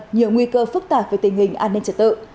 nhiều nguy cơ phức tạp về tình hình an ninh trật tự